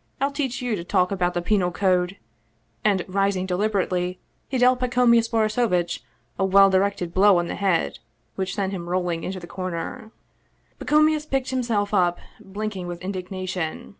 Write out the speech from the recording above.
" I'll teach you to talk about the Penal Code !" and rising de liberately, he dealt Pacomius Borisovitch a well directed blow on the head, which sent him rolling into the corner. Pacomius picked himself up, blinking with indignation.